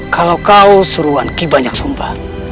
kalau kau suruhan ki banyak sumpah